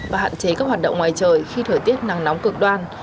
và hạn chế các hoạt động ngoài trời khi thời tiết nắng nóng cực đoan